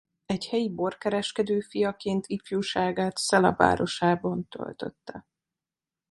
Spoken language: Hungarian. Egy helyi borkereskedő fiaként ifjúságát Celle városában töltötte.